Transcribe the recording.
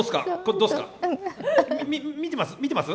み見てます？